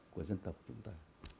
của dân tộc chúng ta